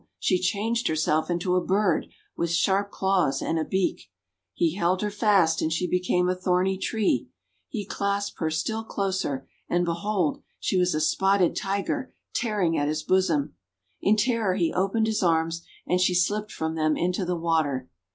she changed herself into a bird with sharp claws and beak. He held her fast, and she became a thorny tree. He clasped her still closer, and, behold! she was a spotted Tiger tearing at his bosom. In terror he opened his arms, and she slipped from them into the water.